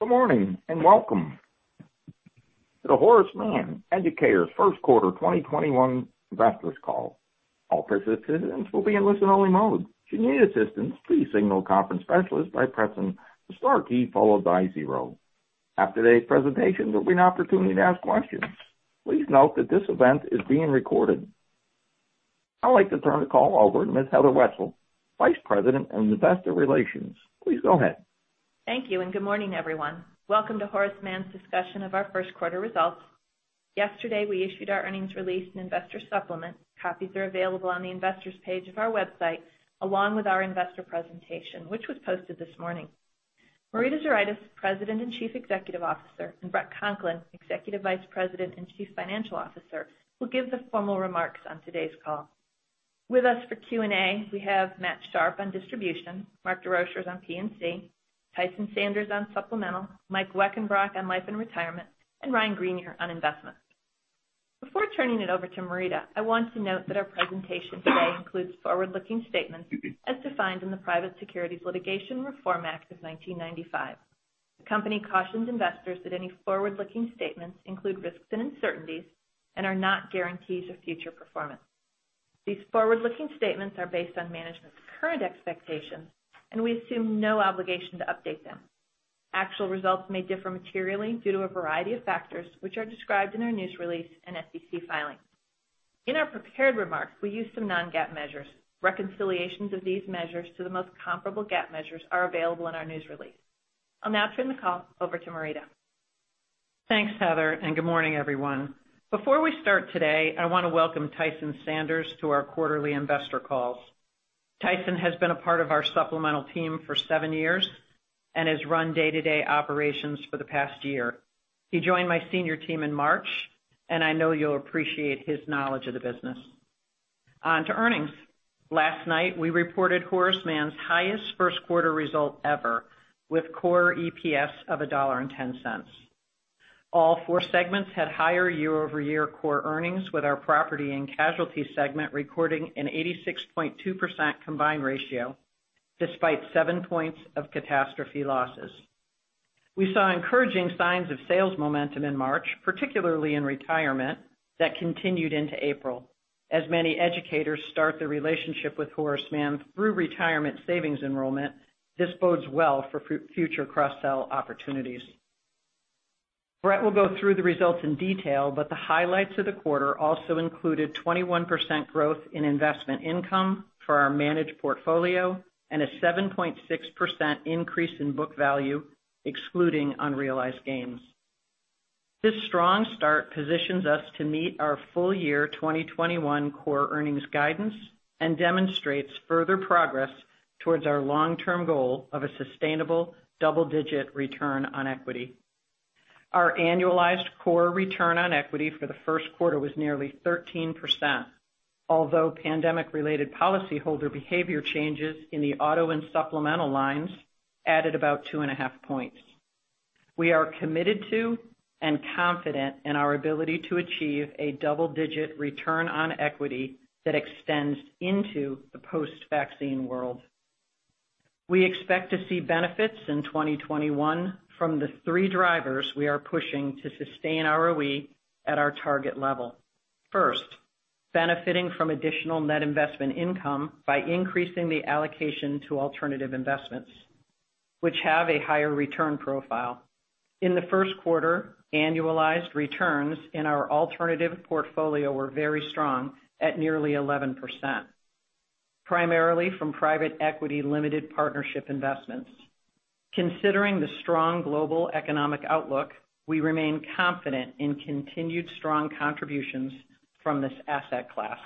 Good morning, and welcome to the Horace Mann Educators' first quarter 2021 investors call. All participants will be in listen-only mode. If you need assistance, please signal a conference specialist by pressing the star key, followed by zero. After today's presentation, there will be an opportunity to ask questions. Please note that this event is being recorded. I'd like to turn the call over to Ms. Heather Wietzel, Vice President in Investor Relations. Please go ahead. Thank you, good morning, everyone. Welcome to Horace Mann's discussion of our first quarter results. Yesterday, we issued our earnings release and investor supplement. Copies are available on the investors page of our website, along with our investor presentation, which was posted this morning. Marita Zuraitis, President and Chief Executive Officer, and Bret Conklin, Executive Vice President and Chief Financial Officer, will give the formal remarks on today's call. With us for Q&A, we have Matthew Sharpe on distribution, Mark Desrochers on P&C, Tyson Sanders on supplemental, Mike Weckenbrock on life and retirement, and Ryan Greenier on investment. Before turning it over to Marita, I want to note that our presentation today includes forward-looking statements as defined in the Private Securities Litigation Reform Act of 1995. The company cautions investors that any forward-looking statements include risks and uncertainties and are not guarantees of future performance. These forward-looking statements are based on management's current expectations, we assume no obligation to update them. Actual results may differ materially due to a variety of factors, which are described in our news release and SEC filings. In our prepared remarks, we use some non-GAAP measures. Reconciliations of these measures to the most comparable GAAP measures are available in our news release. I'll now turn the call over to Marita. Thanks, Heather, good morning, everyone. Before we start today, I want to welcome Tyson Sanders to our quarterly investor calls. Tyson has been a part of our supplemental team for seven years and has run day-to-day operations for the past year. He joined my senior team in March, I know you'll appreciate his knowledge of the business. On to earnings. Last night, we reported Horace Mann's highest first quarter result ever, with core EPS of $1.10. All four segments had higher year-over-year core earnings, with our property and casualty segment recording an 86.2% combined ratio, despite seven points of catastrophe losses. We saw encouraging signs of sales momentum in March, particularly in retirement, that continued into April. As many educators start their relationship with Horace Mann through retirement savings enrollment, this bodes well for future cross-sell opportunities. Bret will go through the results in detail. The highlights of the quarter also included 21% growth in investment income for our managed portfolio and a 7.6% increase in book value, excluding unrealized gains. This strong start positions us to meet our full year 2021 core earnings guidance and demonstrates further progress towards our long-term goal of a sustainable double-digit return on equity. Our annualized core return on equity for the first quarter was nearly 13%, although pandemic-related policyholder behavior changes in the auto and supplemental lines added about two and a half points. We are committed to and confident in our ability to achieve a double-digit return on equity that extends into the post-vaccine world. We expect to see benefits in 2021 from the three drivers we are pushing to sustain our ROE at our target level. First, benefiting from additional net investment income by increasing the allocation to alternative investments, which have a higher return profile. In the first quarter, annualized returns in our alternative portfolio were very strong at nearly 11%, primarily from private equity limited partnership investments. Considering the strong global economic outlook, we remain confident in continued strong contributions from this asset class.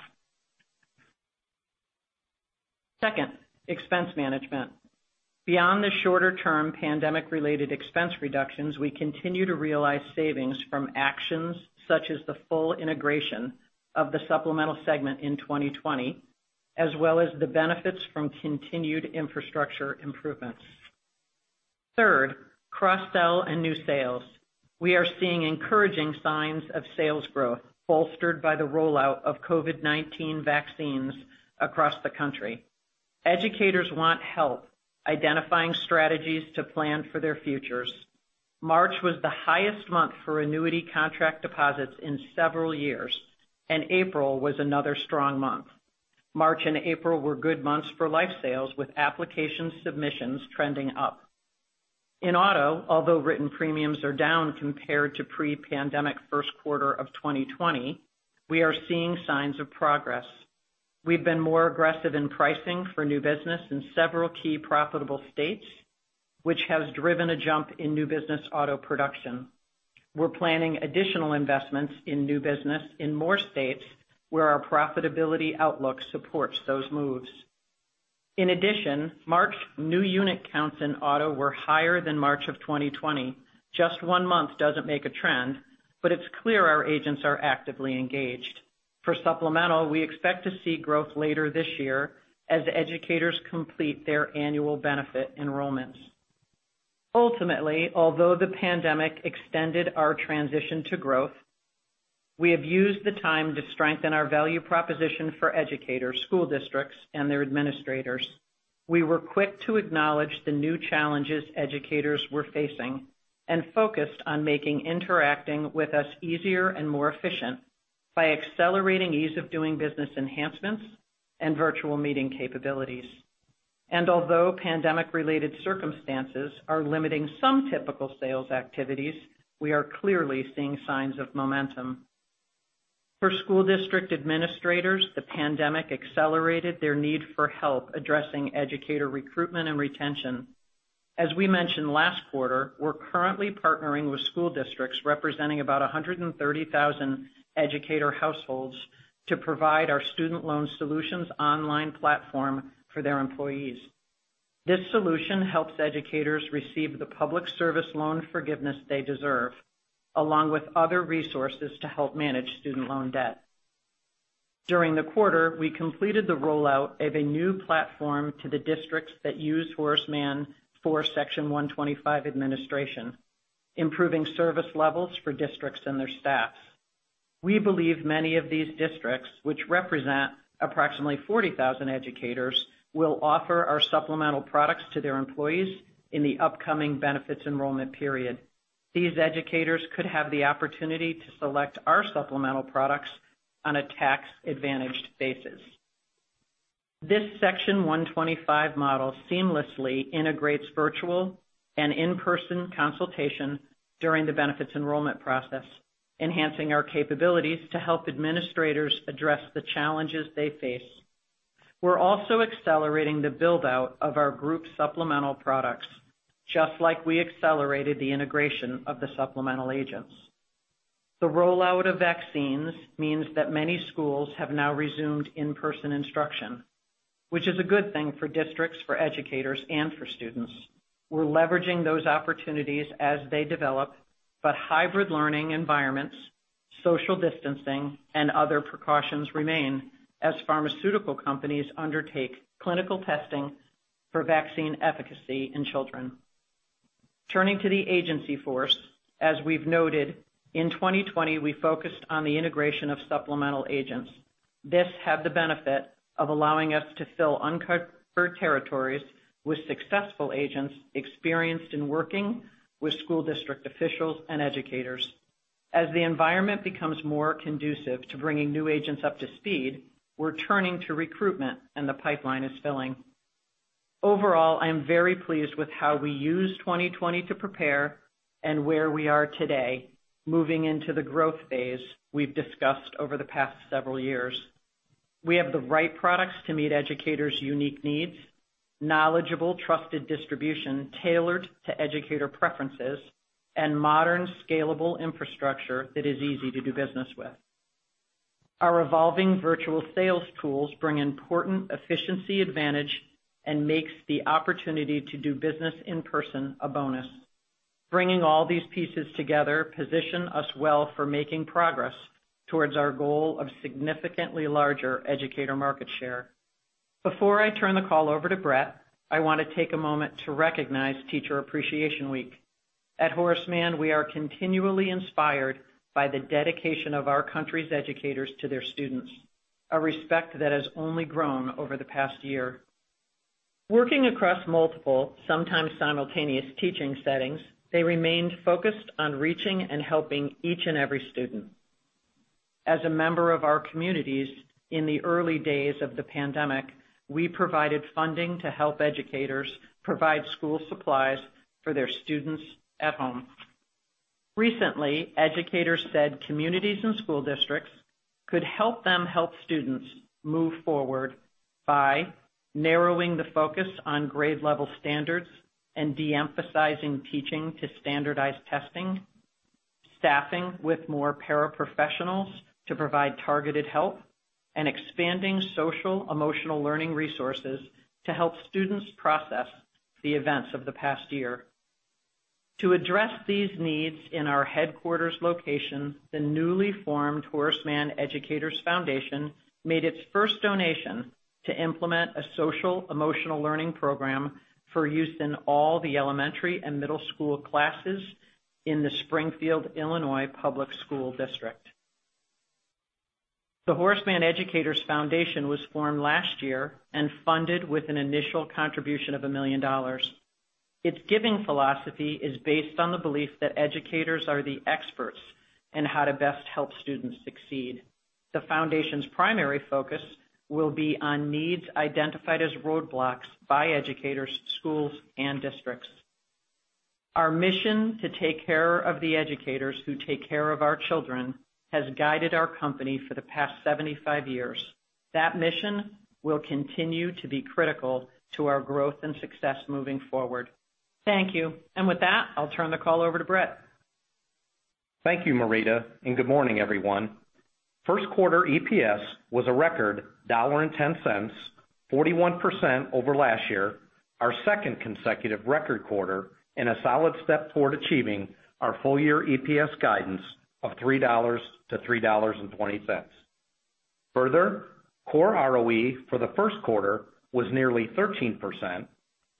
Second, expense management. Beyond the shorter-term pandemic-related expense reductions, we continue to realize savings from actions such as the full integration of the supplemental segment in 2020, as well as the benefits from continued infrastructure improvements. Third, cross-sell and new sales. We are seeing encouraging signs of sales growth, bolstered by the rollout of COVID-19 vaccines across the country. Educators want help identifying strategies to plan for their futures. March was the highest month for annuity contract deposits in several years. April was another strong month. March and April were good months for life sales, with application submissions trending up. In auto, although written premiums are down compared to pre-pandemic first quarter of 2020, we are seeing signs of progress. We've been more aggressive in pricing for new business in several key profitable states, which has driven a jump in new business auto production. We're planning additional investments in new business in more states where our profitability outlook supports those moves. In addition, March new unit counts in auto were higher than March of 2020. Just one month doesn't make a trend. It's clear our agents are actively engaged. For supplemental, we expect to see growth later this year as educators complete their annual benefit enrollments. Ultimately, although the pandemic extended our transition to growth, we have used the time to strengthen our value proposition for educators, school districts, and their administrators. We were quick to acknowledge the new challenges educators were facing. We focused on making interacting with us easier and more efficient by accelerating ease of doing business enhancements and virtual meeting capabilities. Although pandemic-related circumstances are limiting some typical sales activities, we are clearly seeing signs of momentum. For school district administrators, the pandemic accelerated their need for help addressing educator recruitment and retention. As we mentioned last quarter, we're currently partnering with school districts representing about 130,000 educator households to provide our Student Loan Solutions online platform for their employees. This solution helps educators receive the public service loan forgiveness they deserve, along with other resources to help manage student loan debt. During the quarter, we completed the rollout of a new platform to the districts that use Horace Mann for Section 125 administration, improving service levels for districts and their staffs. We believe many of these districts, which represent approximately 40,000 educators, will offer our supplemental products to their employees in the upcoming benefits enrollment period. These educators could have the opportunity to select our supplemental products on a tax-advantaged basis. This Section 125 model seamlessly integrates virtual and in-person consultation during the benefits enrollment process, enhancing our capabilities to help administrators address the challenges they face. We're also accelerating the build-out of our group supplemental products, just like we accelerated the integration of the supplemental agents. The rollout of vaccines means that many schools have now resumed in-person instruction, which is a good thing for districts, for educators, and for students. We're leveraging those opportunities as they develop, but hybrid learning environments, social distancing, and other precautions remain as pharmaceutical companies undertake clinical testing for vaccine efficacy in children. Turning to the agency force, as we've noted, in 2020, we focused on the integration of supplemental agents. This had the benefit of allowing us to fill uncovered territories with successful agents experienced in working with school district officials and educators. As the environment becomes more conducive to bringing new agents up to speed, we're turning to recruitment, and the pipeline is filling. Overall, I am very pleased with how we used 2020 to prepare and where we are today, moving into the growth phase we've discussed over the past several years. We have the right products to meet educators' unique needs, knowledgeable, trusted distribution tailored to educator preferences, and modern, scalable infrastructure that is easy to do business with. Our evolving virtual sales tools bring important efficiency advantage and makes the opportunity to do business in person a bonus. Bringing all these pieces together position us well for making progress towards our goal of significantly larger educator market share. Before I turn the call over to Bret, I want to take a moment to recognize Teacher Appreciation Week. At Horace Mann, we are continually inspired by the dedication of our country's educators to their students, a respect that has only grown over the past year. Working across multiple, sometimes simultaneous teaching settings, they remained focused on reaching and helping each and every student. As a member of our communities, in the early days of the pandemic, we provided funding to help educators provide school supplies for their students at home. Recently, educators said communities and school districts could help them help students move forward by narrowing the focus on grade-level standards and de-emphasizing teaching to standardized testing, staffing with more paraprofessionals to provide targeted help, and expanding social-emotional learning resources to help students process the events of the past year. To address these needs in our headquarters location, the newly formed Horace Mann Educators Foundation made its first donation to implement a social-emotional learning program for use in all the elementary and middle school classes in the Springfield, Illinois, Public School District. The Horace Mann Educators Foundation was formed last year and funded with an initial contribution of $1 million. Its giving philosophy is based on the belief that educators are the experts in how to best help students succeed. The foundation's primary focus will be on needs identified as roadblocks by educators, schools, and districts. Our mission to take care of the educators who take care of our children has guided our company for the past 75 years. That mission will continue to be critical to our growth and success moving forward. Thank you. With that, I'll turn the call over to Bret. Thank you, Marita, good morning, everyone. First quarter EPS was a record $1.10, 41% over last year, our second consecutive record quarter, and a solid step toward achieving our full-year EPS guidance of $3 to $3.20. Further, core ROE for the first quarter was nearly 13%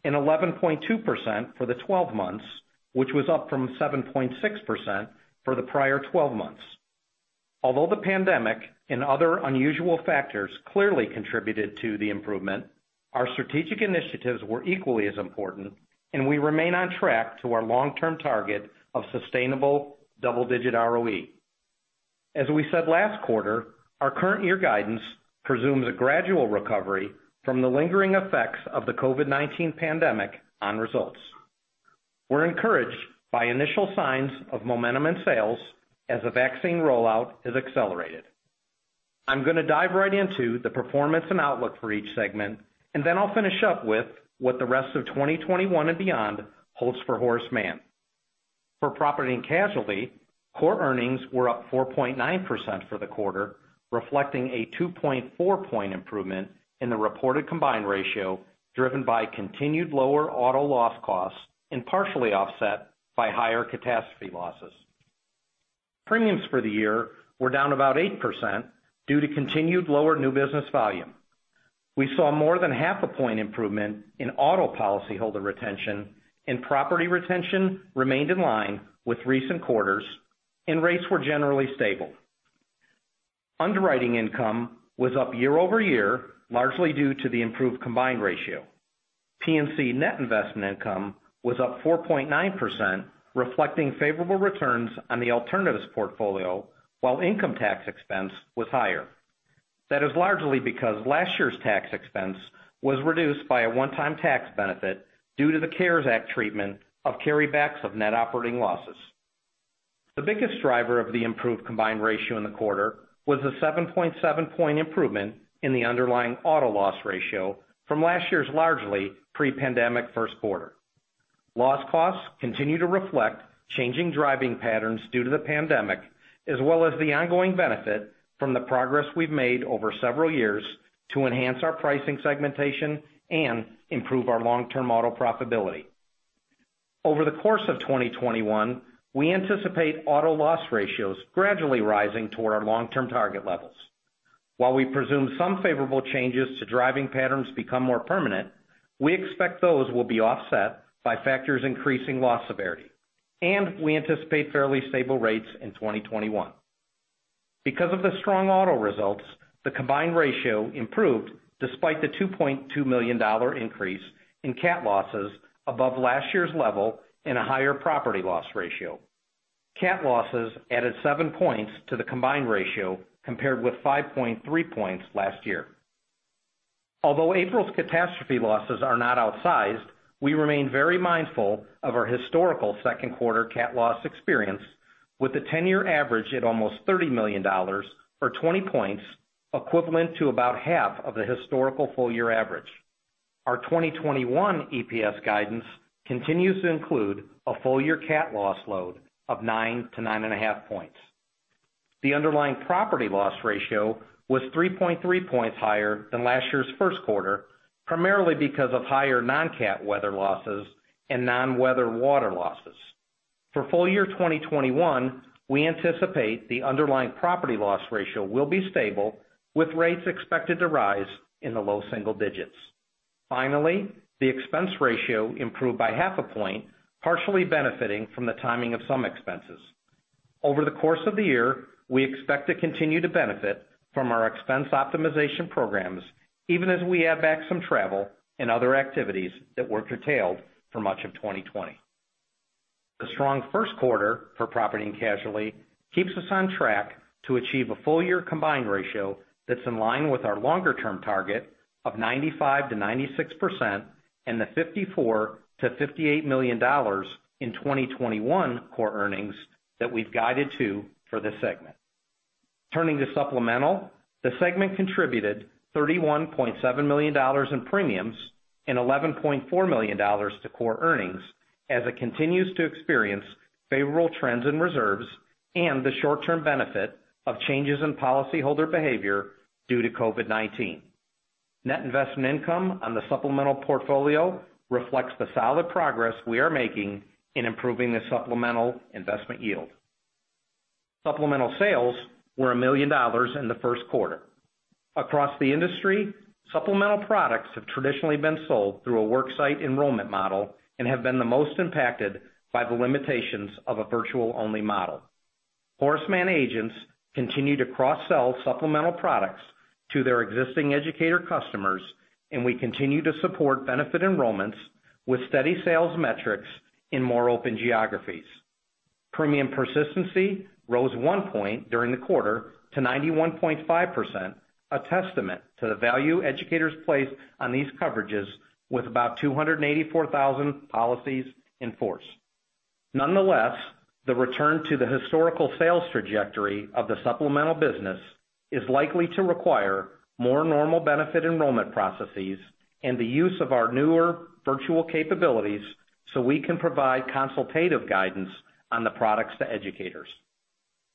and 11.2% for the 12 months, which was up from 7.6% for the prior 12 months. Although the pandemic and other unusual factors clearly contributed to the improvement, our strategic initiatives were equally as important, and we remain on track to our long-term target of sustainable double-digit ROE. As we said last quarter, our current year guidance presumes a gradual recovery from the lingering effects of the COVID-19 pandemic on results. We're encouraged by initial signs of momentum in sales as the vaccine rollout is accelerated. I'm going to dive right into the performance and outlook for each segment, then I'll finish up with what the rest of 2021 and beyond holds for Horace Mann. For Property and Casualty, core earnings were up 4.9% for the quarter, reflecting a 2.4-point improvement in the reported combined ratio, driven by continued lower auto loss costs and partially offset by higher catastrophe losses. Premiums for the year were down about 8% due to continued lower new business volume. We saw more than half a point improvement in auto policyholder retention, property retention remained in line with recent quarters, and rates were generally stable. Underwriting income was up year-over-year, largely due to the improved combined ratio. P&C net investment income was up 4.9%, reflecting favorable returns on the alternatives portfolio, while income tax expense was higher. That is largely because last year's tax expense was reduced by a one-time tax benefit due to the CARES Act treatment of carrybacks of net operating losses. The biggest driver of the improved combined ratio in the quarter was a 7.7-point improvement in the underlying auto loss ratio from last year's largely pre-pandemic first quarter. Loss costs continue to reflect changing driving patterns due to the pandemic, as well as the ongoing benefit from the progress we've made over several years to enhance our pricing segmentation and improve our long-term auto profitability. Over the course of 2021, we anticipate auto loss ratios gradually rising to our long-term target levels. While we presume some favorable changes to driving patterns become more permanent, we expect those will be offset by factors increasing loss severity, we anticipate fairly stable rates in 2021. Because of the strong auto results, the combined ratio improved despite the $2.2 million increase in cat losses above last year's level and a higher property loss ratio. Cat losses added seven points to the combined ratio compared with 5.3 points last year. Although April's catastrophe losses are not outsized, we remain very mindful of our historical second quarter cat loss experience with the 10-year average at almost $30 million or 20 points equivalent to about half of the historical full year average. Our 2021 EPS guidance continues to include a full year cat loss load of nine to nine and a half points. The underlying property loss ratio was 3.3 points higher than last year's first quarter, primarily because of higher non-cat weather losses and non-weather water losses. For full year 2021, we anticipate the underlying property loss ratio will be stable, with rates expected to rise in the low single digits. Finally, the expense ratio improved by half a point, partially benefiting from the timing of some expenses. Over the course of the year, we expect to continue to benefit from our expense optimization programs, even as we add back some travel and other activities that were curtailed for much of 2020. The strong first quarter for property and casualty keeps us on track to achieve a full year combined ratio that's in line with our longer-term target of 95%-96% and the $54 million-$58 million in 2021 core earnings that we've guided to for this segment. Turning to Supplemental, the segment contributed $31.7 million in premiums and $11.4 million to core earnings as it continues to experience favorable trends in reserves and the short-term benefit of changes in policyholder behavior due to COVID-19. Net investment income on the Supplemental portfolio reflects the solid progress we are making in improving the Supplemental investment yield. Supplemental sales were $1 million in the first quarter. Across the industry, Supplemental products have traditionally been sold through a worksite enrollment model and have been the most impacted by the limitations of a virtual-only model. Horace Mann agents continue to cross-sell Supplemental products to their existing educator customers, and we continue to support benefit enrollments with steady sales metrics in more open geographies. Premium persistency rose one point during the quarter to 91.5%, a testament to the value educators place on these coverages with about 284,000 policies in force. Nonetheless, the return to the historical sales trajectory of the Supplemental business is likely to require more normal benefit enrollment processes and the use of our newer virtual capabilities so we can provide consultative guidance on the products to educators.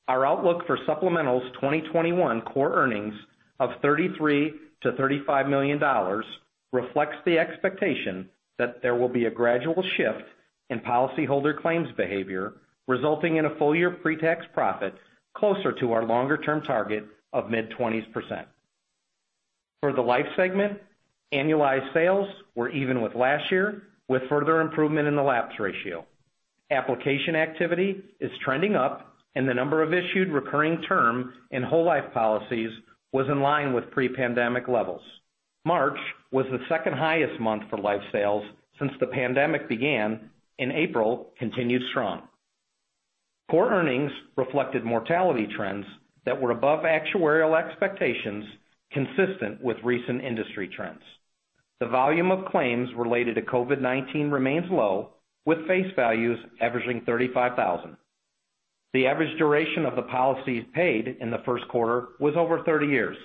Our outlook for Supplemental's 2021 core earnings of $33 million-$35 million reflects the expectation that there will be a gradual shift in policyholder claims behavior resulting in a full year pre-tax profit closer to our longer-term target of mid-20s%. For the Life segment, annualized sales were even with last year with further improvement in the lapse ratio. Application activity is trending up, and the number of issued recurring term and whole Life policies was in line with pre-pandemic levels. March was the second highest month for Life sales since the pandemic began, and April continued strong. Core earnings reflected mortality trends that were above actuarial expectations, consistent with recent industry trends. The volume of claims related to COVID-19 remains low, with face values averaging $35,000. The average duration of the policies paid in the first quarter was over 30 years.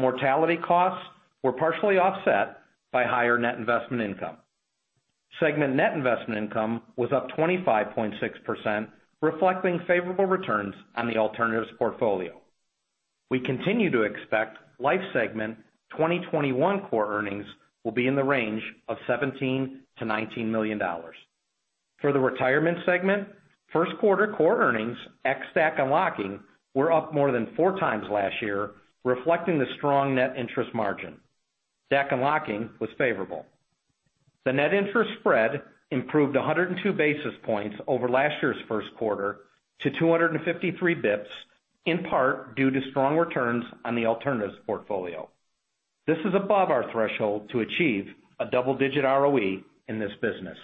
Mortality costs were partially offset by higher net investment income. Segment net investment income was up 25.6%, reflecting favorable returns on the alternatives portfolio. We continue to expect life segment 2021 core earnings will be in the range of $17 million to $19 million. For the retirement segment, first quarter core earnings, ex DAC unlocking, were up more than four times last year, reflecting the strong net interest margin. DAC unlocking was favorable. The net interest spread improved 102 basis points over last year's first quarter to 253 basis points, in part due to strong returns on the alternatives portfolio. This is above our threshold to achieve a double-digit ROE in this business.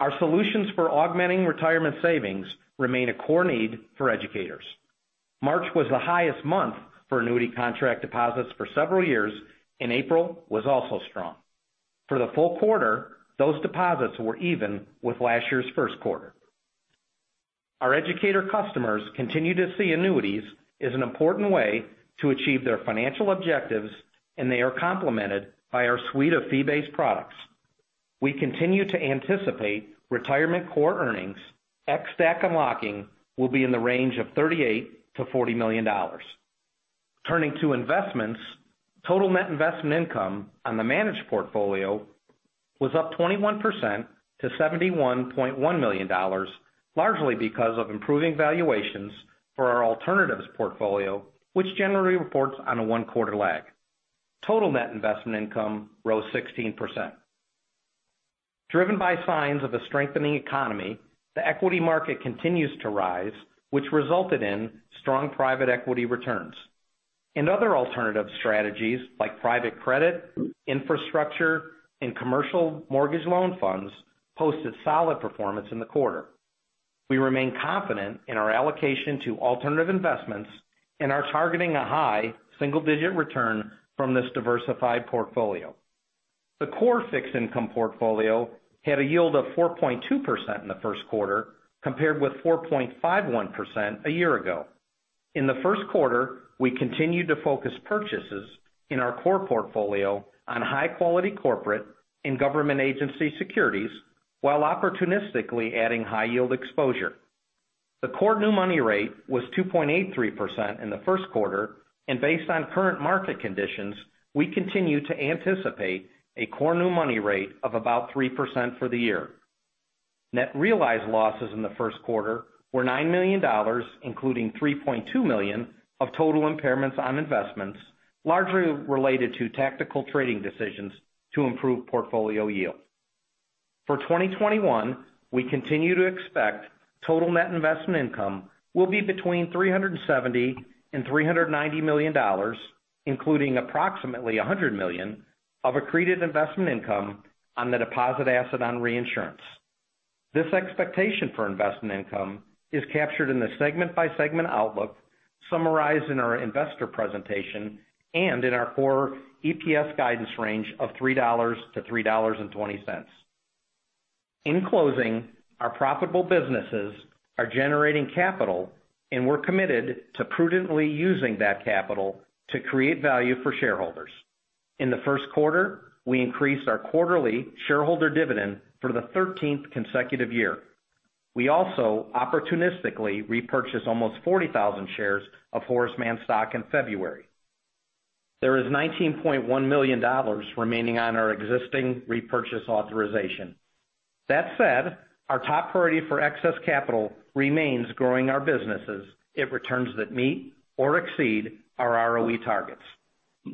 Our solutions for augmenting retirement savings remain a core need for educators. March was the highest month for annuity contract deposits for several years, and April was also strong. For the full quarter, those deposits were even with last year's first quarter. Our educator customers continue to see annuities as an important way to achieve their financial objectives, and they are complemented by our suite of fee-based products. We continue to anticipate retirement core earnings, ex DAC unlocking, will be in the range of $38 million to $40 million. Turning to investments, total net investment income on the managed portfolio was up 21% to $71.1 million, largely because of improving valuations for our alternatives portfolio, which generally reports on a one-quarter lag. Total net investment income rose 16%. Driven by signs of a strengthening economy, the equity market continues to rise, which resulted in strong private equity returns. In other alternative strategies like private credit, infrastructure, and commercial mortgage loan funds posted solid performance in the quarter. We remain confident in our allocation to alternative investments and are targeting a high single-digit return from this diversified portfolio. The core fixed income portfolio had a yield of 4.2% in the first quarter, compared with 4.51% a year ago. In the first quarter, we continued to focus purchases in our core portfolio on high-quality corporate and government agency securities while opportunistically adding high-yield exposure. The core new money rate was 2.83% in the first quarter, and based on current market conditions, we continue to anticipate a core new money rate of about 3% for the year. Net realized losses in the first quarter were $9 million, including $3.2 million of total impairments on investments, largely related to tactical trading decisions to improve portfolio yield. For 2021, we continue to expect total net investment income will be between $370 million and $390 million, including approximately $100 million of accreted investment income on the deposit asset on reinsurance. This expectation for investment income is captured in the segment-by-segment outlook summarized in our investor presentation and in our core EPS guidance range of $3 to $3.20. In closing, our profitable businesses are generating capital, and we're committed to prudently using that capital to create value for shareholders. In the first quarter, we increased our quarterly shareholder dividend for the 13th consecutive year. We also opportunistically repurchased almost 40,000 shares of Horace Mann stock in February. There is $19.1 million remaining on our existing repurchase authorization. That said, our top priority for excess capital remains growing our businesses at returns that meet or exceed our ROE targets.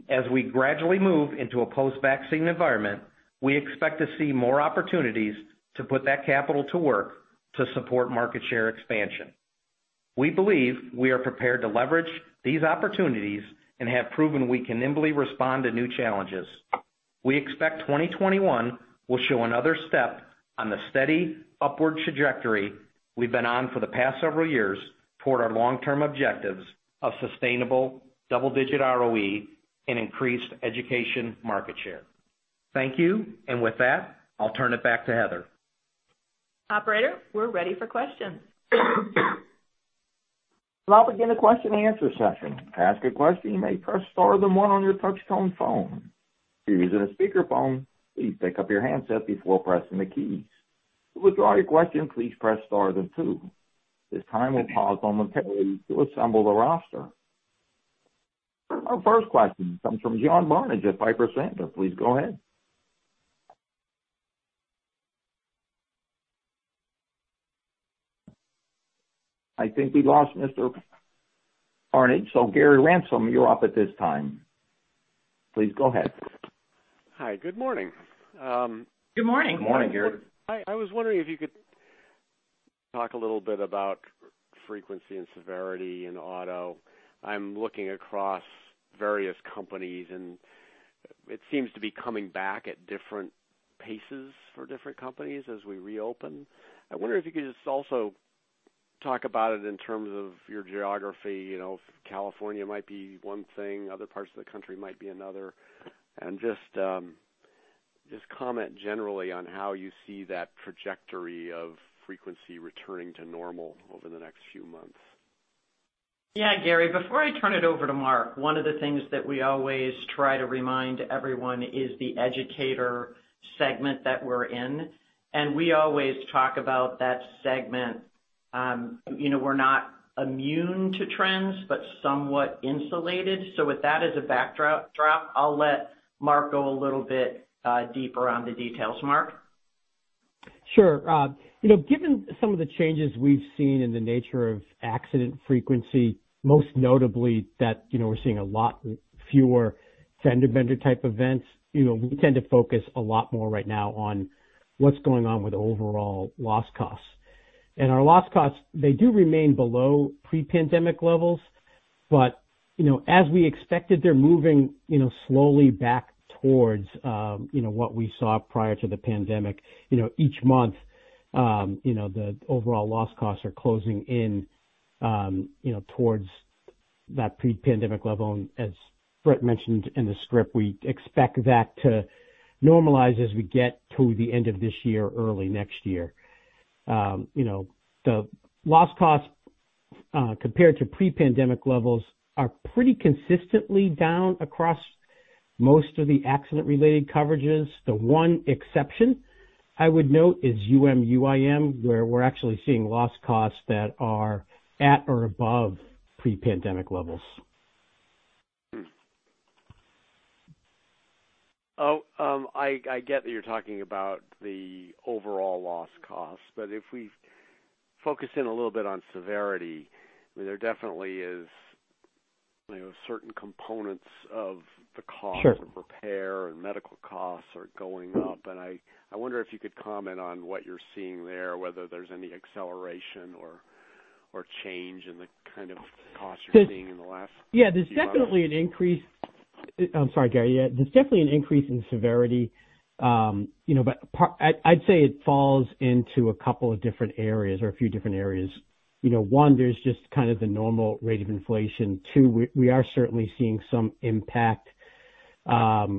As we gradually move into a post-vaccine environment, we expect to see more opportunities to put that capital to work to support market share expansion. We believe we are prepared to leverage these opportunities and have proven we can nimbly respond to new challenges. We expect 2021 will show another step on the steady upward trajectory we've been on for the past several years toward our long-term objectives of sustainable double-digit ROE and increased education market share. Thank you. With that, I'll turn it back to Heather. Operator, we're ready for questions. Now, begin the question and answer session. To ask a question, you may press star then one on your touchtone phone. If you're using a speakerphone, please pick up your handset before pressing the keys. To withdraw your question, please press star then two. At this time, we'll pause momentarily to assemble the roster. Our first question comes from John Barnidge at Piper Sandler. Please go ahead. I think we lost Mr. Barnidge. Gary Ransom, you're up at this time. Please go ahead. Hi. Good morning. Good morning. Morning, Gary. I was wondering if you could talk a little bit about frequency and severity in auto. I'm looking across various companies, and it seems to be coming back at different paces for different companies as we reopen. I wonder if you could just also talk about it in terms of your geography, California might be one thing, other parts of the country might be another. Just comment generally on how you see that trajectory of frequency returning to normal over the next few months. Yeah, Gary, before I turn it over to Mark, one of the things that we always try to remind everyone is the educator segment that we're in. We always talk about that segment, we're not immune to trends, but somewhat insulated. With that as a backdrop, I'll let Mark go a little bit deeper on the details. Mark? Sure. Given some of the changes we've seen in the nature of accident frequency, most notably that we're seeing a lot fewer fender bender type events. We tend to focus a lot more right now on what's going on with overall loss costs. Our loss costs, they do remain below pre-pandemic levels, but as we expected, they're moving slowly back towards what we saw prior to the pandemic. Each month, the overall loss costs are closing in towards that pre-pandemic level. As Bret mentioned in the script, we expect that to normalize as we get to the end of this year, early next year. The loss costs, compared to pre-pandemic levels, are pretty consistently down across most of the accident-related coverages. The one exception I would note is UM/UIM, where we're actually seeing loss costs that are at or above pre-pandemic levels. Oh, I get that you're talking about the overall loss costs. If we focus in a little bit on severity, there definitely is certain components of the cost- Sure of repair and medical costs are going up, and I wonder if you could comment on what you're seeing there, whether there's any acceleration or change in the kind of costs you're seeing in the last few months. Yeah, there's definitely an increase. I'm sorry, Gary. There's definitely an increase in severity. I'd say it falls into a couple of different areas or a few different areas. One, there's just the normal rate of inflation. Two, we are certainly seeing some impact of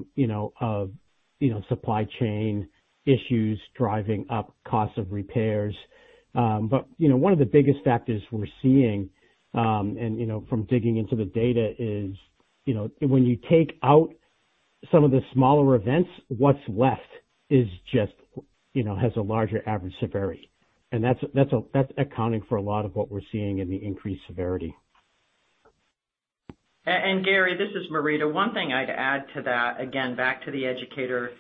supply chain issues driving up costs of repairs. One of the biggest factors we're seeing, and from digging into the data is, when you take out some of the smaller events, what's left has a larger average severity. That's accounting for a lot of what we're seeing in the increased severity. Gary, this is Marita. One thing I would add to that, again, back to the educator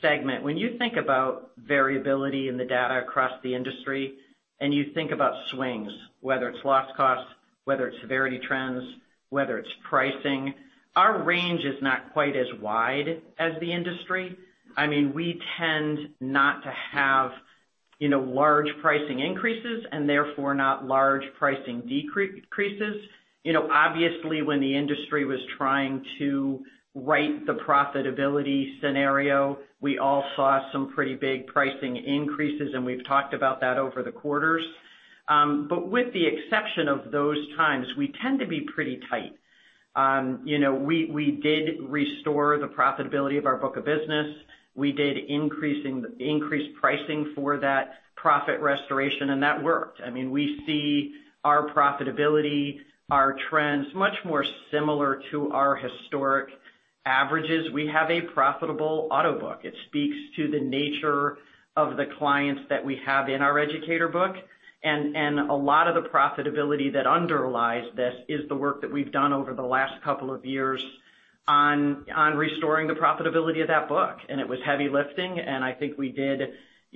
segment. When you think about variability in the data across the industry, and you think about swings, whether it is loss costs, whether it is severity trends, whether it is pricing, our range is not quite as wide as the industry. We tend not to have large pricing increases and therefore not large pricing decreases. Obviously, when the industry was trying to right the profitability scenario, we all saw some pretty big pricing increases, and we have talked about that over the quarters. With the exception of those times, we tend to be pretty tight. We did restore the profitability of our book of business. We did increase pricing for that profit restoration, and that worked. We see our profitability, our trends, much more similar to our historic averages. We have a profitable auto book. It speaks to the nature of the clients that we have in our educator book, and a lot of the profitability that underlies this is the work that we have done over the last couple of years on restoring the profitability of that book. It was heavy lifting, and I think we did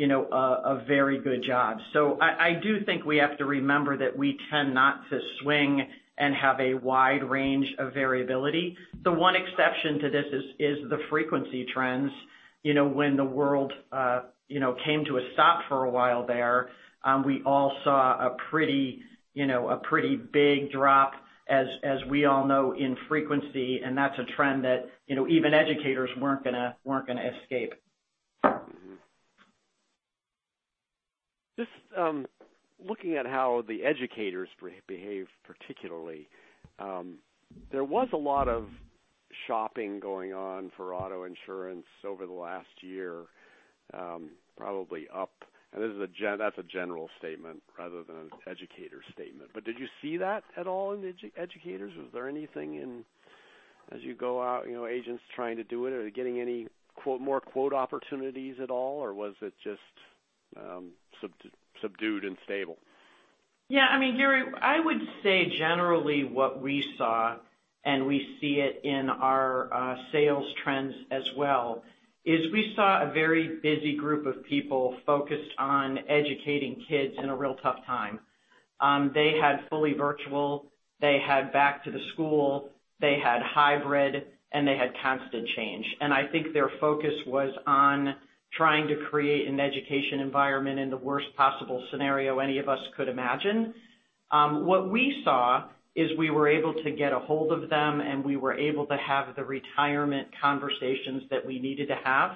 a very good job. I do think we have to remember that we tend not to swing and have a wide range of variability. The one exception to this is the frequency trends. When the world came to a stop for a while there, we all saw a pretty big drop as we all know, in frequency, and that is a trend that even educators were not going to escape. Just looking at how the educators behave, particularly. There was a lot of shopping going on for auto insurance over the last year, probably up. That is a general statement rather than an educator statement. Did you see that at all in educators? Was there anything as you go out, agents trying to do it? Are they getting any more quote opportunities at all, or was it just subdued and stable? I mean, Gary, I would say generally what we saw, and we see it in our sales trends as well, is we saw a very busy group of people focused on educating kids in a real tough time. They had fully virtual, they had back to the school, they had hybrid, and they had constant change. I think their focus was on trying to create an education environment in the worst possible scenario any of us could imagine. What we saw is we were able to get a hold of them, and we were able to have the retirement conversations that we needed to have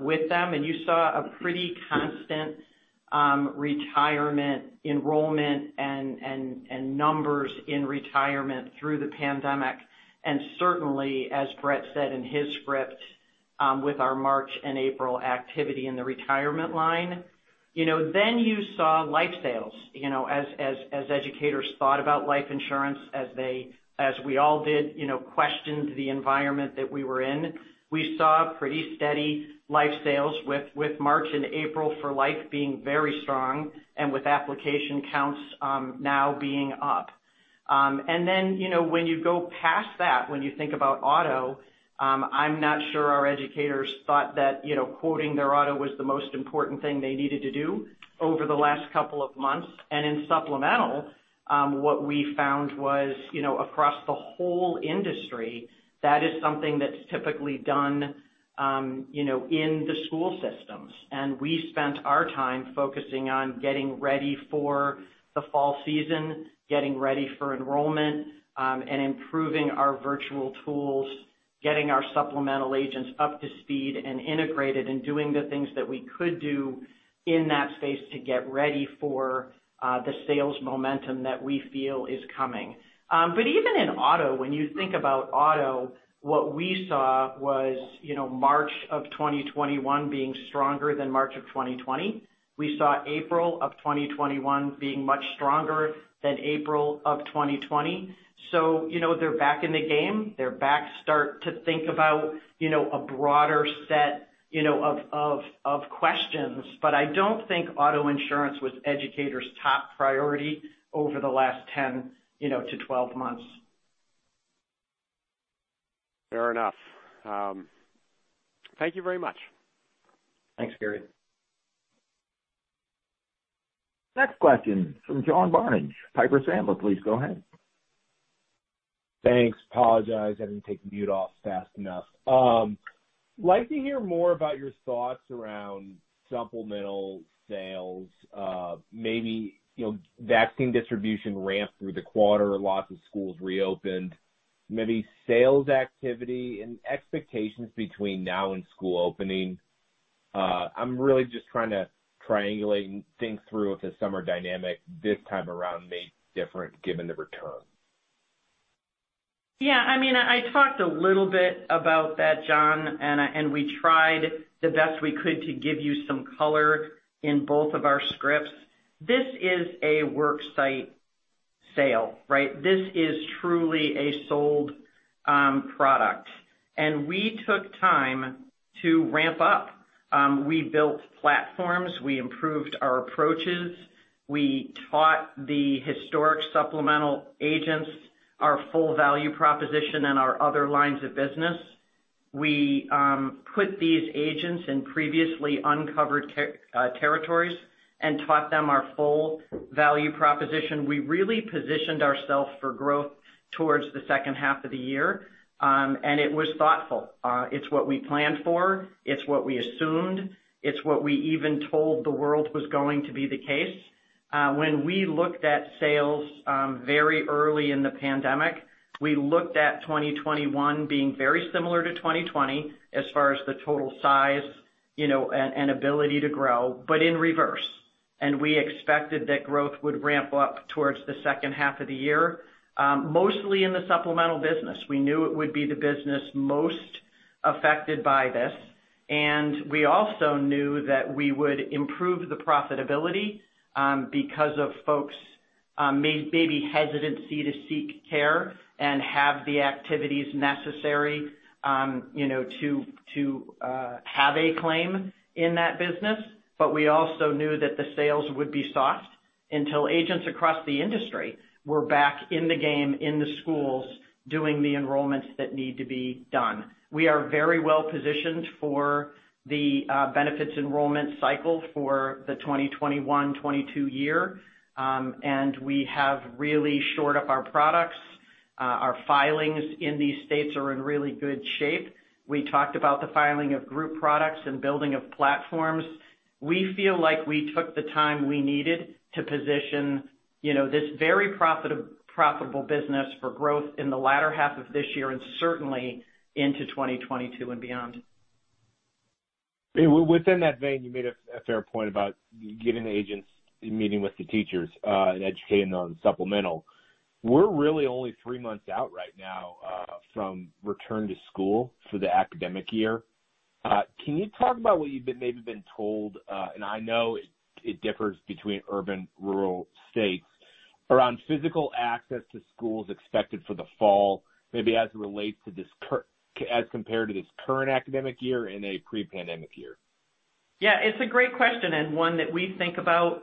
with them, and you saw a pretty constant retirement enrollment and numbers in retirement through the pandemic. Certainly, as Bret said in his script, with our March and April activity in the retirement line. You saw life sales as Educators thought about life insurance as we all did, questioned the environment that we were in. We saw pretty steady life sales with March and April for life being very strong and with application counts now being up. When you go past that, when you think about auto, I'm not sure our Educators thought that quoting their auto was the most important thing they needed to do over the last couple of months. In supplemental, what we found was, across the whole industry, that is something that's typically done in the school systems, and we spent our time focusing on getting ready for the fall season, getting ready for enrollment, and improving our virtual tools, getting our supplemental agents up to speed and integrated, and doing the things that we could do in that space to get ready for the sales momentum that we feel is coming. Even in auto, when you think about auto, what we saw was March of 2021 being stronger than March of 2020. We saw April of 2021 being much stronger than April of 2020. They're back in the game. They're back to think about a broader set of questions. I don't think auto insurance was Educators' top priority over the last 10 to 12 months. Fair enough. Thank you very much. Thanks, Gary. Next question from John Barnidge, Piper Sandler. Please go ahead. Thanks. Apologize, I didn't take mute off fast enough. Like to hear more about your thoughts around supplemental sales. Maybe vaccine distribution ramped through the quarter, lots of schools reopened. Maybe sales activity and expectations between now and school opening. I'm really just trying to triangulate and think through if the summer dynamic this time around may be different given the return. Yeah, I talked a little bit about that, John. We tried the best we could to give you some color in both of our scripts. This is a work site sale, right? This is truly a sold product. We took time to ramp up. We built platforms, we improved our approaches, we taught the historic supplemental agents our full value proposition and our other lines of business. We put these agents in previously uncovered territories and taught them our full value proposition. We really positioned ourselves for growth towards the second half of the year, and it was thoughtful. It's what we planned for, it's what we assumed, it's what we even told the world was going to be the case. When we looked at sales very early in the pandemic, we looked at 2021 being very similar to 2020 as far as the total size and ability to grow, but in reverse. We expected that growth would ramp up towards the second half of the year. Mostly in the supplemental business. We knew it would be the business most affected by this, and we also knew that we would improve the profitability because of folks maybe hesitancy to seek care and have the activities necessary to have a claim in that business. We also knew that the sales would be soft until agents across the industry were back in the game, in the schools, doing the enrollments that need to be done. We are very well positioned for the benefits enrollment cycle for the 2021-22 year, and we have really shored up our products. Our filings in these states are in really good shape. We talked about the filing of group products and building of platforms. We feel like we took the time we needed to position this very profitable business for growth in the latter half of this year and certainly into 2022 and beyond. Within that vein, you made a fair point about getting the agents meeting with the teachers and educating them on supplemental. We're really only three months out right now from return to school for the academic year. Can you talk about what you've maybe been told, and I know it differs between urban, rural states around physical access to schools expected for the fall, maybe as it relates to this as compared to this current academic year and a pre-pandemic year. Yeah, it's a great question and one that we think about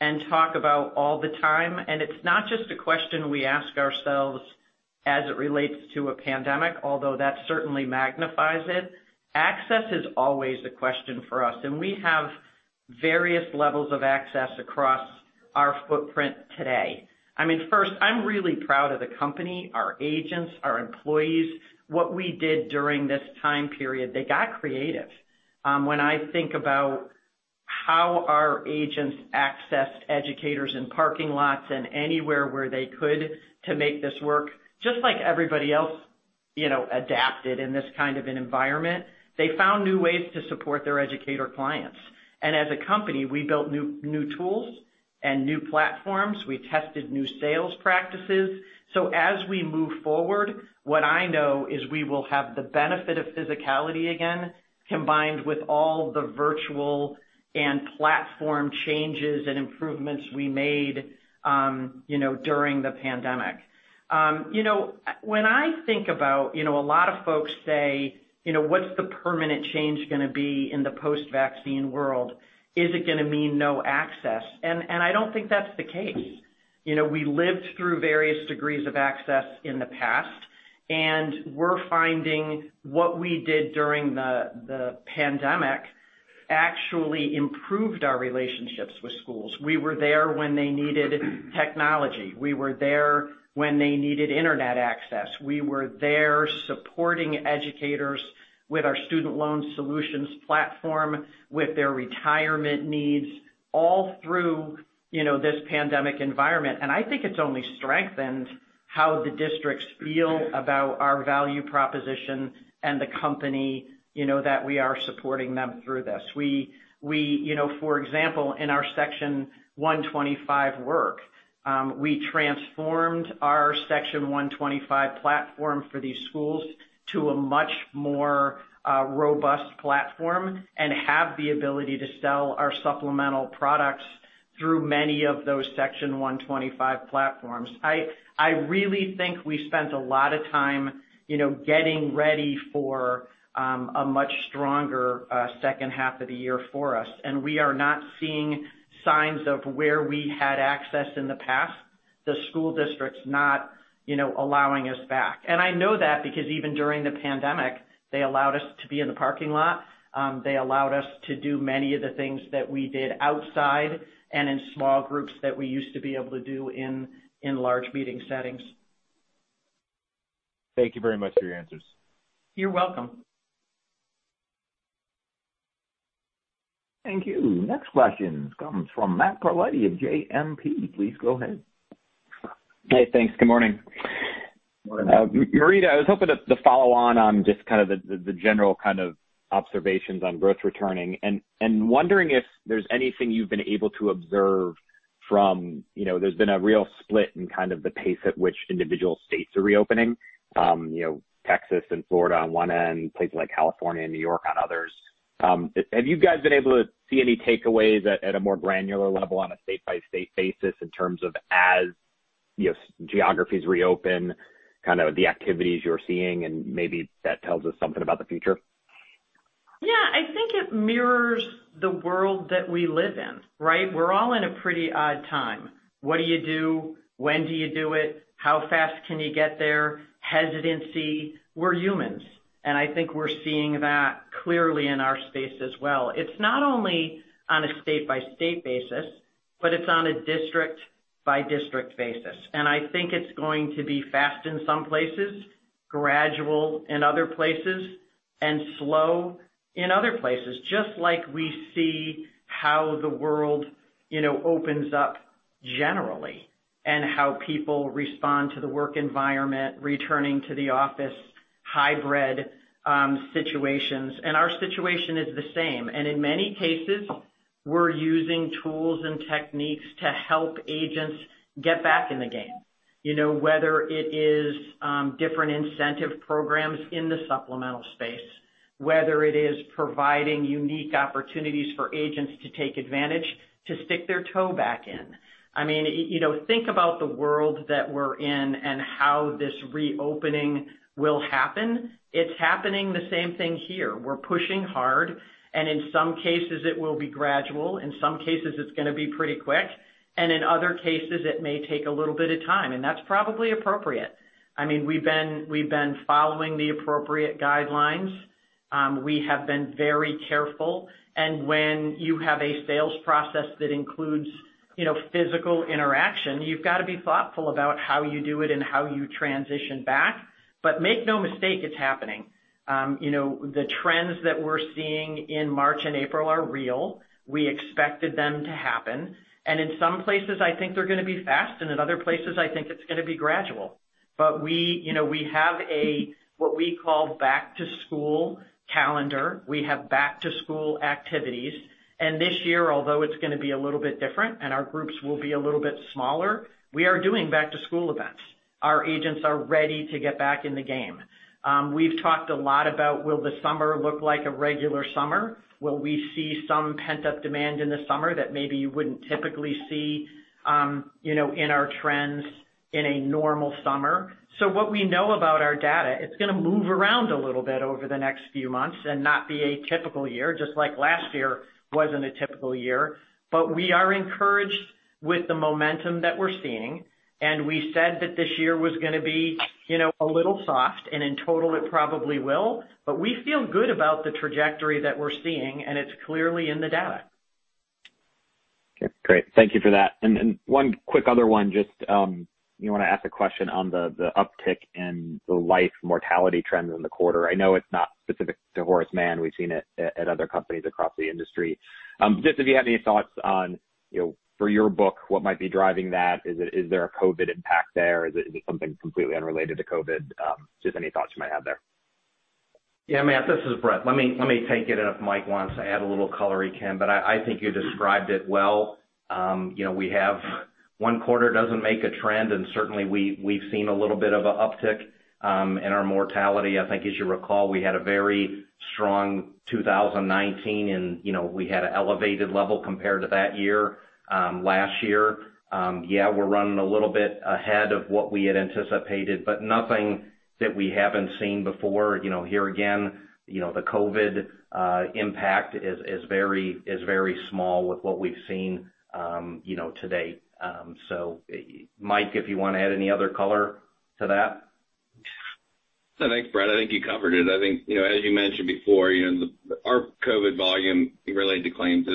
and talk about all the time, and it's not just a question we ask ourselves as it relates to a pandemic, although that certainly magnifies it. Access is always a question for us, and we have various levels of access across our footprint today. I mean, first, I'm really proud of the company, our agents, our employees, what we did during this time period. They got creative. When I think about how our agents accessed educators in parking lots and anywhere where they could to make this work, just like everybody else adapted in this kind of an environment, they found new ways to support their educator clients. As a company, we built new tools and new platforms. We tested new sales practices. As we move forward, what I know is we will have the benefit of physicality again, combined with all the virtual and platform changes and improvements we made during the pandemic. When I think about, a lot of folks say, "What's the permanent change gonna be in the post-vaccine world? Is it gonna mean no access?" I don't think that's the case. We lived through various degrees of access in the past, and we're finding what we did during the pandemic actually improved our relationships with schools. We were there when they needed technology. We were there when they needed internet access. We were there supporting educators with our Student Loan Solutions platform, with their retirement needs, all through this pandemic environment. I think it's only strengthened how the districts feel about our value proposition and the company that we are supporting them through this. For example, in our Section 125 work, we transformed our Section 125 platform for these schools to a much more robust platform and have the ability to sell our supplemental products through many of those Section 125 platforms. I really think we've spent a lot of time getting ready for a much stronger second half of the year for us, and we are not seeing signs of where we had access in the past, the school districts not allowing us back. I know that because even during the pandemic, they allowed us to be in the parking lot. They allowed us to do many of the things that we did outside and in small groups that we used to be able to do in large meeting settings. Thank you very much for your answers. You're welcome. Thank you. Next question comes from Matt Carletti of JMP. Please go ahead. Hey, thanks. Good morning. Morning. Marita, I was hoping to follow on just kind of the general kind of observations on growth returning and wondering if there's anything you've been able to observe from, there's been a real split in kind of the pace at which individual states are reopening. Texas and Florida on one end, places like California and New York on others. Have you guys been able to see any takeaways at a more granular level on a state-by-state basis in terms of as geographies reopen, kind of the activities you're seeing and maybe that tells us something about the future? Yeah. I think it mirrors the world that we live in, right? We're all in a pretty odd time. What do you do? When do you do it? How fast can you get there? Hesitancy. We're humans, and I think we're seeing that clearly in our space as well. It's not only on a state-by-state basis, but it's on a district-by-district basis. I think it's going to be fast in some places, gradual in other places, and slow in other places, just like we see how the world opens up generally and how people respond to the work environment, returning to the office, hybrid situations. Our situation is the same. In many cases, we're using tools and techniques to help agents get back in the game. Whether it is different incentive programs in the supplemental space, whether it is providing unique opportunities for agents to take advantage to stick their toe back in. I mean, think about the world that we're in and how this reopening will happen. It's happening the same thing here. We're pushing hard, in some cases, it will be gradual. In some cases, it's gonna be pretty quick. In other cases, it may take a little bit of time, and that's probably appropriate. I mean, we've been following the appropriate guidelines. We have been very careful, and when you have a sales process that includes physical interaction, you've got to be thoughtful about how you do it and how you transition back. Make no mistake, it's happening. The trends that we're seeing in March and April are real. We expected them to happen, and in some places, I think they're gonna be fast, and in other places, I think it's gonna be gradual. We have a what we call back-to-school calendar. We have back-to-school activities. This year, although it's gonna be a little bit different and our groups will be a little bit smaller, we are doing back-to-school events. Our agents are ready to get back in the game. We've talked a lot about will the summer look like a regular summer? Will we see some pent-up demand in the summer that maybe you wouldn't typically see in our trends in a normal summer? What we know about our data, it's going to move around a little bit over the next few months and not be a typical year, just like last year wasn't a typical year. We are encouraged with the momentum that we're seeing, and we said that this year was going to be a little soft, and in total it probably will, but we feel good about the trajectory that we're seeing, and it's clearly in the data. Okay, great. Thank you for that. One quick other one, just want to ask a question on the uptick in the life mortality trends in the quarter. I know it's not specific to Horace Mann. We've seen it at other companies across the industry. Just if you have any thoughts on, for your book, what might be driving that? Is there a COVID impact there? Is it something completely unrelated to COVID? Just any thoughts you might have there. Yeah, Matt, this is Bret. Let me take it, and if Mike wants to add a little color, he can, but I think you described it well. One quarter doesn't make a trend, and certainly we've seen a little bit of a uptick in our mortality. I think as you recall, we had a very strong 2019 and we had an elevated level compared to that year. Last year, yeah, we're running a little bit ahead of what we had anticipated, but nothing that we haven't seen before. Here again, the COVID impact is very small with what we've seen to date. Mike, if you want to add any other color to that. Thanks, Bret. I think you covered it. As you mentioned before, our COVID volume related to claims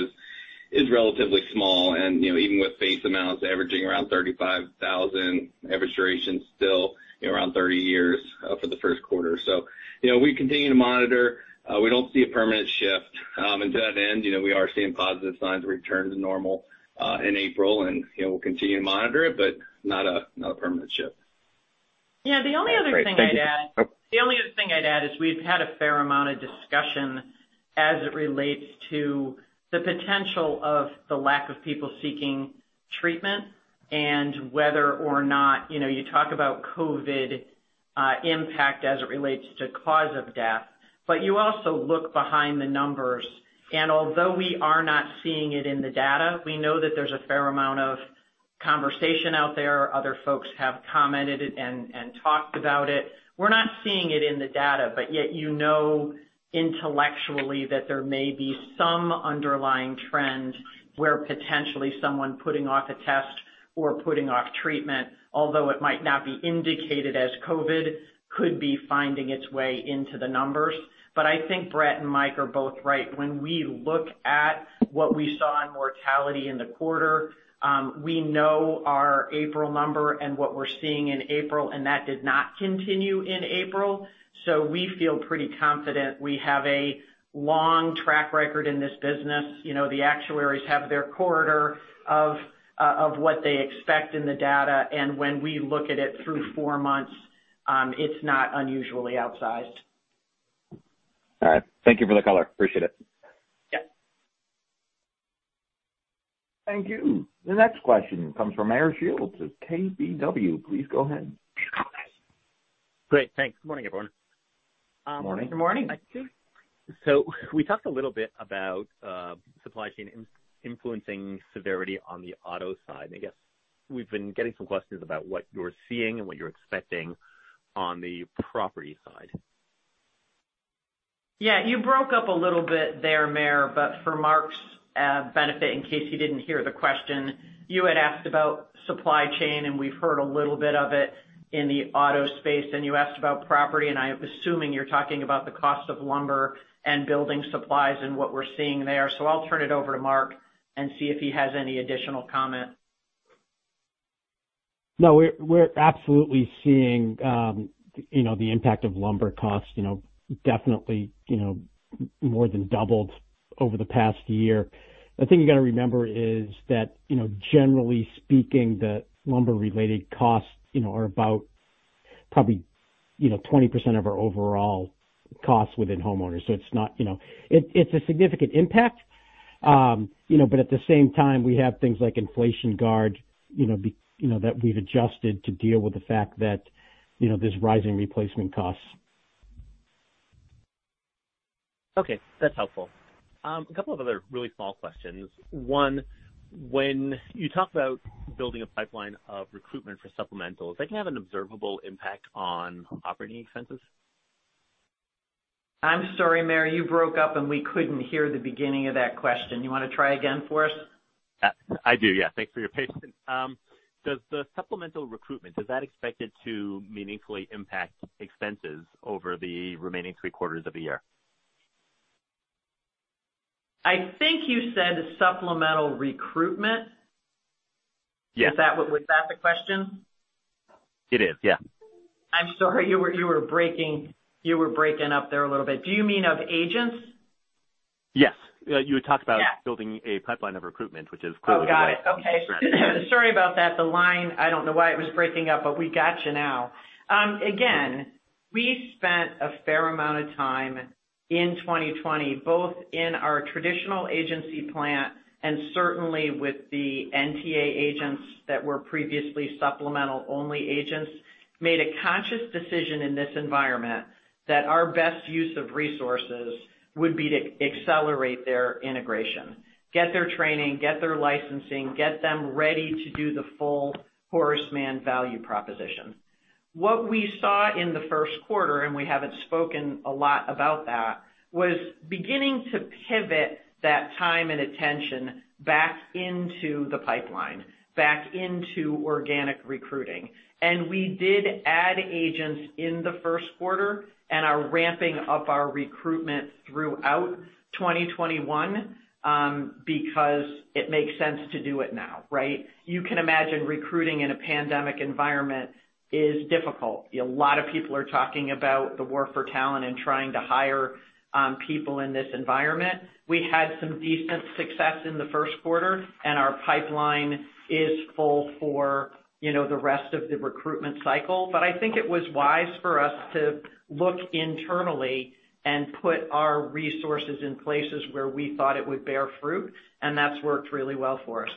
is relatively small, and even with face amounts averaging around $35,000, average duration still around 30 years for the first quarter. We continue to monitor. We don't see a permanent shift. To that end, we are seeing positive signs of return to normal in April, and we'll continue to monitor it, but not a permanent shift. Great. Thank you. The only other thing I'd add is we've had a fair amount of discussion as it relates to the potential of the lack of people seeking treatment and whether or not, you talk about COVID impact as it relates to cause of death, but you also look behind the numbers, and although we are not seeing it in the data, we know that there's a fair amount of conversation out there. Other folks have commented and talked about it. We're not seeing it in the data, but yet you know intellectually that there may be some underlying trend where potentially someone putting off a test or putting off treatment, although it might not be indicated as COVID, could be finding its way into the numbers. I think Bret and Mike are both right. When we look at what we saw in mortality in the quarter, we know our April number and what we're seeing in April, and that did not continue in April. We feel pretty confident. We have a long track record in this business. The actuaries have their corridor of what they expect in the data, and when we look at it through four months, it's not unusually outsized. All right. Thank you for the color. Appreciate it. Yeah. Thank you. The next question comes from Meyer Shields of KBW. Please go ahead. Great. Thanks. Good morning, everyone. Morning. Good morning. We talked a little bit about supply chain influencing severity on the auto side, and I guess we've been getting some questions about what you're seeing and what you're expecting on the property side. Yeah, you broke up a little bit there, Meyer, but for Mark's benefit, in case you didn't hear the question, you had asked about supply chain, and we've heard a little bit of it in the auto space. You asked about property, and I'm assuming you're talking about the cost of lumber and building supplies and what we're seeing there. I'll turn it over to Mark and see if he has any additional comment. No, we're absolutely seeing the impact of lumber costs definitely more than doubled over the past year. The thing you got to remember is that generally speaking, the lumber related costs are about probably 20% of our overall costs within homeowners. It's a significant impact, but at the same time, we have things like inflation guard that we've adjusted to deal with the fact that there's rising replacement costs. Okay, that's helpful. A couple of other really small questions. One, when you talk about building a pipeline of recruitment for supplementals, that can have an observable impact on operating expenses? I'm sorry, Meyer, you broke up, and we couldn't hear the beginning of that question. You want to try again for us? I do, yeah. Thanks for your patience. Does the supplemental recruitment, is that expected to meaningfully impact expenses over the remaining three quarters of the year? I think you said supplemental recruitment. Yeah. Was that the question? It is, yeah. I'm sorry. You were breaking up there a little bit. Do you mean of agents? Yes. You had talked about. Yeah building a pipeline of recruitment, which is clearly. Oh, got it. Okay. Sure. Sorry about that. The line, I don't know why it was breaking up, but we got you now. Again, we spent a fair amount of time in 2020, both in our traditional agency plan and certainly with the NTA agents that were previously supplemental-only agents, made a conscious decision in this environment that our best use of resources would be to accelerate their integration, get their training, get their licensing, get them ready to do the full Horace Mann value proposition. What we saw in the first quarter, and we haven't spoken a lot about that, was beginning to pivot that time and attention back into the pipeline, back into organic recruiting. We did add agents in the first quarter and are ramping up our recruitment throughout 2021, because it makes sense to do it now, right? You can imagine recruiting in a pandemic environment is difficult. A lot of people are talking about the war for talent and trying to hire people in this environment. We had some decent success in the first quarter, and our pipeline is full for the rest of the recruitment cycle. I think it was wise for us to look internally and put our resources in places where we thought it would bear fruit, and that's worked really well for us.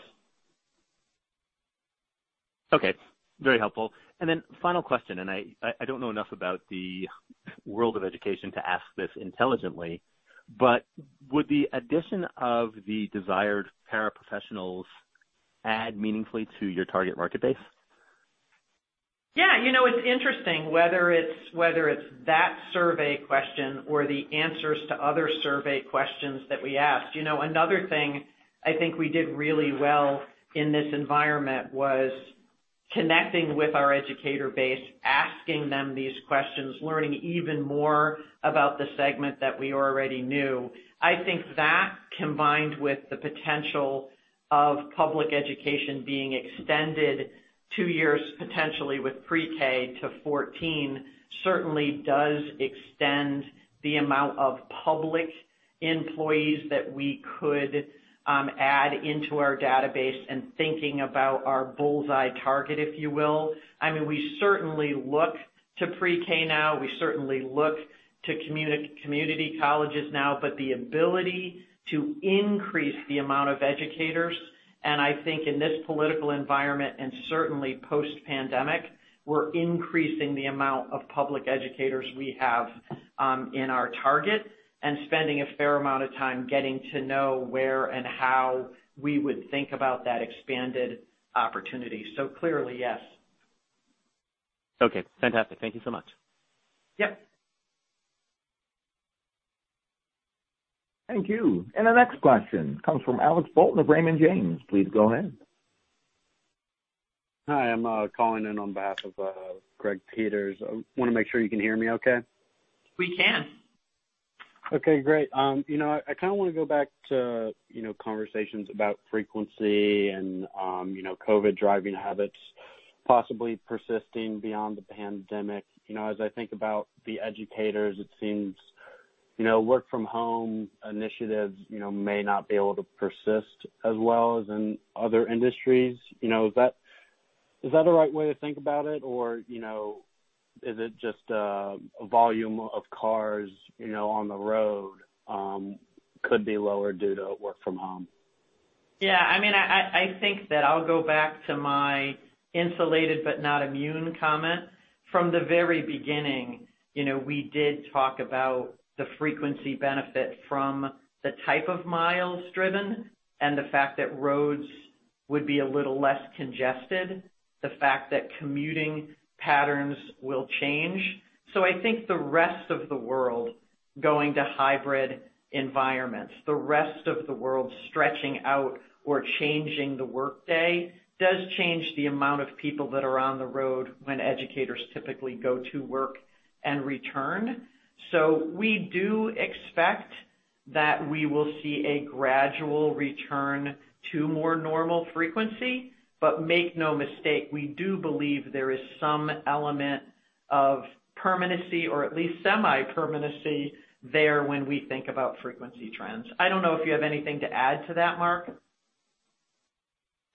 Okay. Very helpful. Final question, and I don't know enough about the world of education to ask this intelligently, would the addition of the desired paraprofessionals add meaningfully to your target market base? Yeah. It's interesting, whether it's that survey question or the answers to other survey questions that we asked. Another thing I think we did really well in this environment was connecting with our educator base, asking them these questions, learning even more about the segment that we already knew. I think that, combined with the potential of public education being extended two years potentially with pre-K to 14, certainly does extend the amount of public employees that we could add into our database and thinking about our bull's-eye target, if you will. We certainly look to pre-K now. We certainly look to community colleges now. The ability to increase the amount of educators, I think in this political environment and certainly post-pandemic, we're increasing the amount of public educators we have in our target and spending a fair amount of time getting to know where and how we would think about that expanded opportunity. Clearly, yes. Okay. Fantastic. Thank you so much. Yep. Thank you. The next question comes from Alex Bolton of Raymond James. Please go ahead. Hi. I'm calling in on behalf of Greg Peters. Want to make sure you can hear me okay? We can. Okay, great. I kind of want to go back to conversations about frequency and COVID driving habits possibly persisting beyond the pandemic. As I think about the educators, it seems work from home initiatives may not be able to persist as well as in other industries. Is that the right way to think about it? Or is it just a volume of cars on the road could be lower due to work from home? Yeah. I think that I'll go back to my insulated but not immune comment. From the very beginning, we did talk about the frequency benefit from the type of miles driven and the fact that roads would be a little less congested, the fact that commuting patterns will change. I think the rest of the world going to hybrid environments, the rest of the world stretching out or changing the workday does change the amount of people that are on the road when educators typically go to work and return. Make no mistake, we do believe there is some element of permanency or at least semi-permanency there when we think about frequency trends. I don't know if you have anything to add to that, Mark.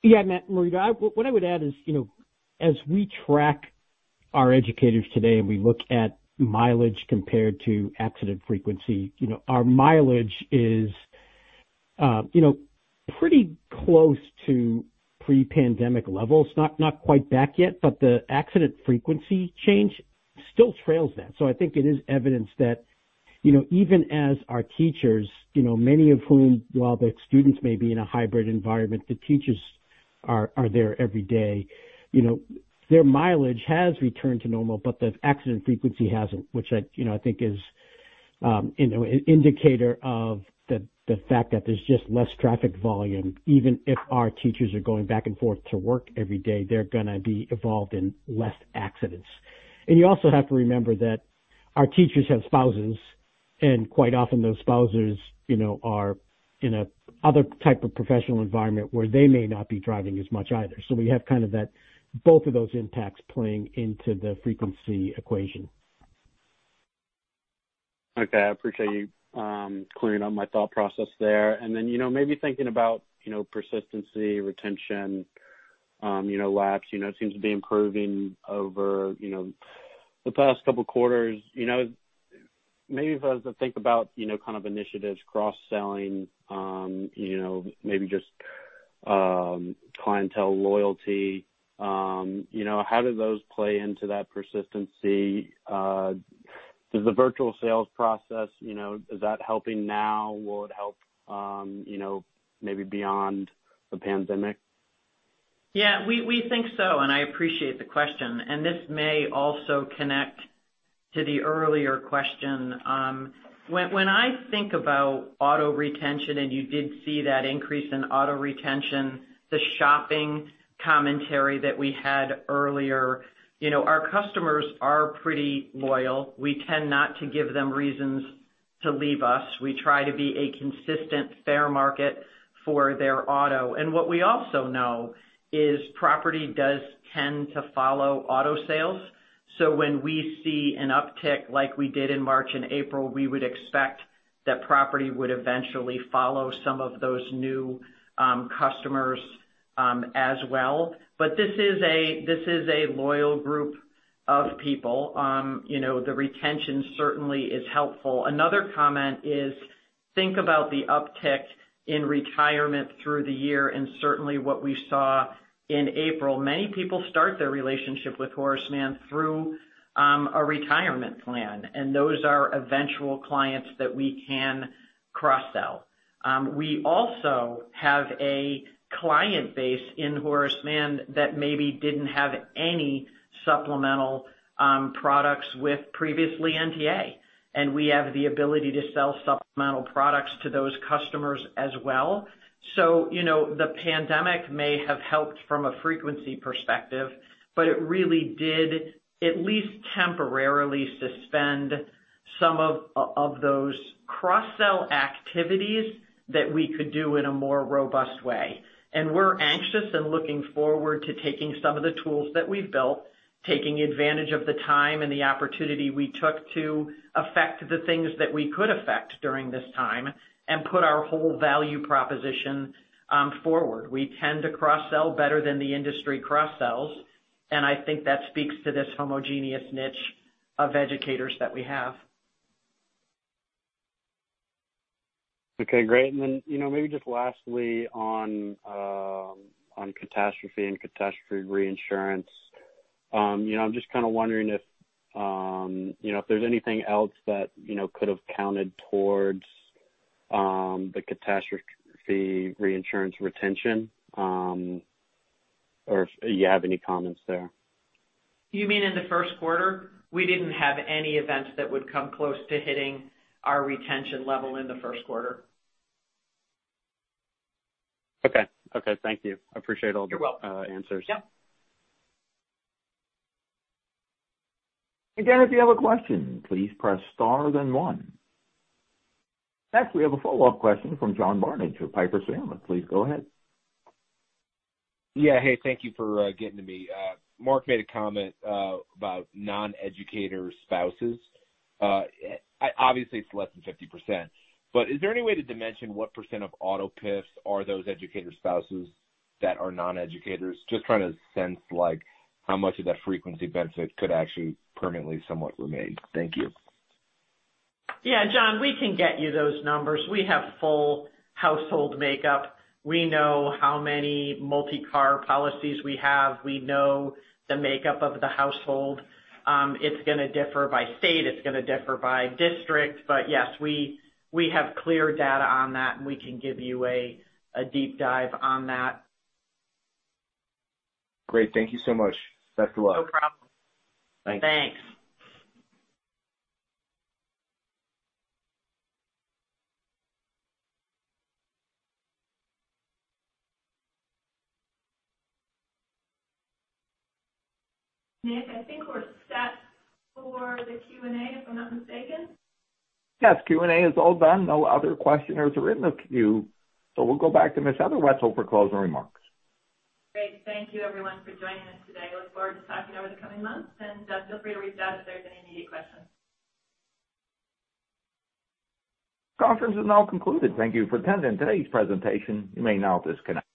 Yeah, Marita. What I would add is, as we track our educators today and we look at mileage compared to accident frequency, our mileage is pretty close to pre-pandemic levels. Not quite back yet. The accident frequency change still trails that. I think it is evidence that even as our teachers, many of whom, while the students may be in a hybrid environment, the teachers are there every day. Their mileage has returned to normal, but the accident frequency hasn't, which I think is an indicator of the fact that there's just less traffic volume. Even if our teachers are going back and forth to work every day, they're going to be involved in less accidents. You also have to remember that our teachers have spouses, and quite often those spouses are in an other type of professional environment where they may not be driving as much either. We have kind of both of those impacts playing into the frequency equation. Okay. I appreciate you clearing up my thought process there. Maybe thinking about persistency, retention Lapse seems to be improving over the past couple quarters. Maybe if I was to think about initiatives, cross-selling, maybe just clientele loyalty, how do those play into that persistency? Does the virtual sales process, is that helping now? Will it help maybe beyond the pandemic? Yeah, we think so, and I appreciate the question, and this may also connect to the earlier question. When I think about auto retention, and you did see that increase in auto retention, the shopping commentary that we had earlier, our customers are pretty loyal. We tend not to give them reasons to leave us. We try to be a consistent fair market for their auto. What we also know is property does tend to follow auto sales. When we see an uptick like we did in March and April, we would expect that property would eventually follow some of those new customers as well. This is a loyal group of people. The retention certainly is helpful. Another comment is, think about the uptick in retirement through the year and certainly what we saw in April. Many people start their relationship with Horace Mann through a retirement plan. Those are eventual clients that we can cross-sell. We also have a client base in Horace Mann that maybe didn't have any supplemental products with previously NTA. We have the ability to sell supplemental products to those customers as well. The pandemic may have helped from a frequency perspective, but it really did at least temporarily suspend some of those cross-sell activities that we could do in a more robust way. We're anxious and looking forward to taking some of the tools that we've built, taking advantage of the time and the opportunity we took to affect the things that we could affect during this time, and put our whole value proposition forward. We tend to cross-sell better than the industry cross-sells. I think that speaks to this homogeneous niche of educators that we have. Okay, great. Then, maybe just lastly on catastrophe and catastrophe reinsurance. I'm just kind of wondering if there's anything else that could have counted towards the catastrophe reinsurance retention, or if you have any comments there. You mean in the first quarter? We didn't have any events that would come close to hitting our retention level in the first quarter. Okay. Thank you. I appreciate all the- You're welcome -answers. Yep. Again, if you have a question, please press star then one. Next, we have a follow-up question from John Barnidge with Piper Sandler. Please go ahead. Yeah. Hey, thank you for getting to me. Mark made a comment about non-educator spouses. Obviously, it's less than 50%. Is there any way to dimension what percent of auto PIF are those educator spouses that are non-educators? Just trying to sense how much of that frequency benefit could actually permanently somewhat remain. Thank you. Yeah, John, we can get you those numbers. We have full household makeup. We know how many multi-car policies we have. We know the makeup of the household. It's going to differ by state, it's going to differ by district. Yes, we have clear data on that, and we can give you a deep dive on that. Great. Thank you so much. Best of luck. No problem. Thanks. Thanks. Nick, I think we're set for the Q&A, if I'm not mistaken. Yes, Q&A is all done. No other questioners are in the queue. We'll go back to Ms. Heather Wietzel for closing remarks. Great. Thank you everyone for joining us today. Look forward to talking over the coming months, feel free to reach out if there's any immediate questions. Conference is now concluded. Thank you for attending today's presentation. You may now disconnect.